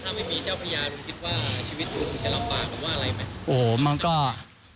ถ้าไม่มีเจ้าพญาคุณคิดว่าชีวิตคุณคงจะลำบากหรือว่าอะไรไหม